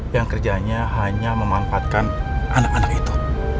yang kerjanya hanya memanfaatkan anak anak itu